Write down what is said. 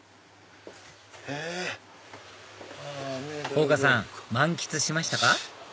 ほうかさん満喫しましたか？